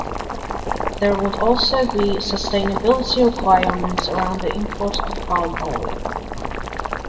There would also be sustainability requirements around the import of palm oil.